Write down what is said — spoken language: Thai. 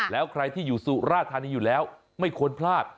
แล้วใครที่อยู่สุราธานีอยู่แล้วไม่ควรพลาด